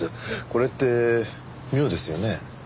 これって妙ですよね。